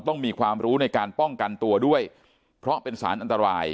ต้องมีความรู้ในการป้องกันตัวด้วยเพราะเป็นสารอันตราย